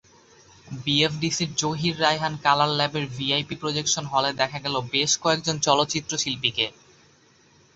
বিএফডিসির Zahir Raihan colour ল্যাবের VIP projection হলে দেখা গেল বেশ কয়েকজন চলচ্চিত্রশিল্পীকে।